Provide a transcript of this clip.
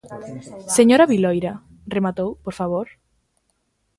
Señora Viloira, rematou, por favor.